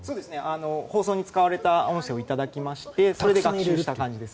放送に使われた音声を頂きましてそれで学習した感じです。